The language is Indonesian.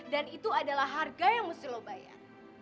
dan itu adalah harga yang mesti lo bayar